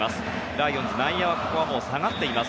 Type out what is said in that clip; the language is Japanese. ライオンズここは内野は下がっています。